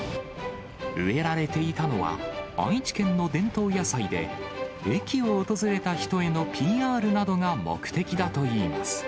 植えられていたのは、愛知県の伝統野菜で、駅を訪れた人へのＰＲなどが目的だといいます。